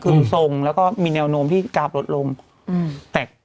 คือทรงแล้วก็มีแนวโน้มที่กราฟลดลงแต่